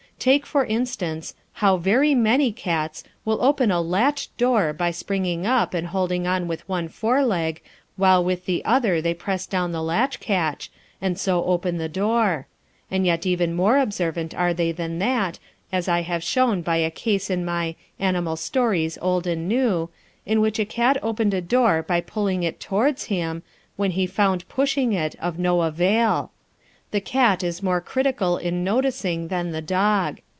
Take for instance, how very many cats will open a latched door by springing up and holding on with one fore leg while with the other they press down the latch catch, and so open the door; and yet even more observant are they than that, as I have shown by a case in my "Animal Stories, Old and New," in which a cat opened a door by pulling it towards him, when he found pushing it of no avail. The cat is more critical in noticing than the dog.